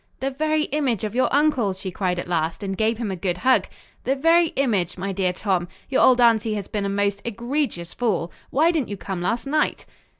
"The very image of your uncle," she cried at last, and gave him a good hug. "The very image, my dear Tom. Your old aunty has been a most egregious fool. Why didn't you come last night?"